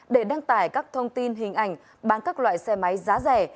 để đăng tải các thông tin hình ảnh bán các loại xe máy giá rẻ